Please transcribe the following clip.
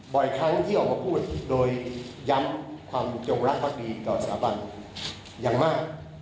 บ่อยครั้งที่ออกมาพูดโดยย้ำความโจรักษ์พรรคดีต่อสาบังอย่างมาก